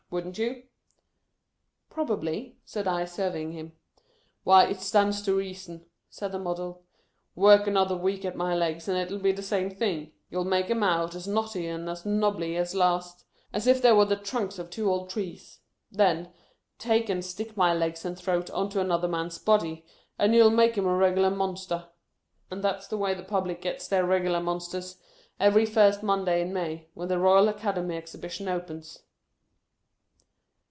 Wouldn't you 1 "" Probably," said I, surveying him. " Why, it stands to reason," said the Model. " Work another week at my legs, and it '11 be the same thing. You '11 make 'em out as knotty and as knobby, at last, as if they was the trunks of two old trees. Then, take and stick my legs and throat on to another man's body, and you '11 make a reg'lar monster. And that 's the way the public gets their reg'lar monsters, every first Monday in May, when the Royal Academy Exhibition opens."